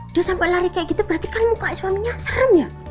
terus sampai lari kayak gitu berarti kan muka suaminya serem ya